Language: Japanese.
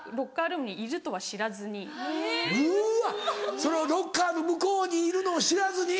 そのロッカーの向こうにいるのを知らずに。